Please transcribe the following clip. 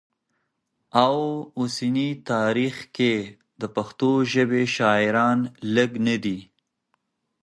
او اوسني تاریخ کي د پښتو ژبې شاعران که لږ نه دي